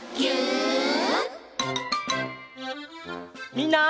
みんな。